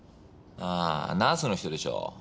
ああナースの人でしょう。